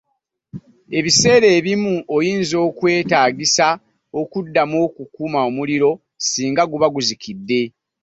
Ebiseera ebimu oyinza okwetaagisa okuddamu okukuma omuliro singa guba guzikidde.